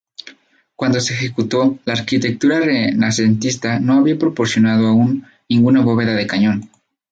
Cuando se ejecutó, la arquitectura renacentista no había proporcionado aún ninguna bóveda de cañón.